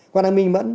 qua đang minh mẫn